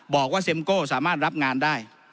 บอกว่าเซ็มโก้สามารถรับงานได้